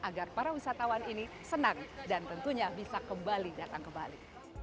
ini adalah kesempatan terbaik agar para wisatawan ini senang dan tentunya bisa kembali datang ke bali